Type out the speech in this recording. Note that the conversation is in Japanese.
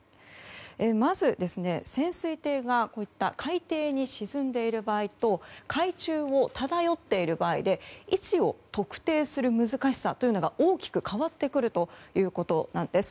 まず、潜水艇は海底に沈んでいる場合と海中を漂っている場合で位置を特定する難しさというのが大きく変わってくるということなんです。